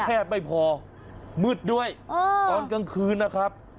แทบไม่พอมืดด้วยตอนกลางคืนนะครับ